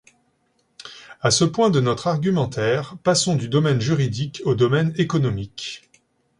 À ce point de notre argumentaire, passons du domaine juridique au domaine économique.